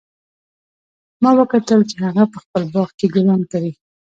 ما وکتل چې هغه په خپل باغ کې ګلان کري